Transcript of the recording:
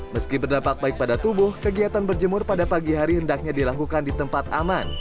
meski berdampak baik pada tubuh kegiatan berjemur pada pagi hari hendaknya dilakukan di tempat aman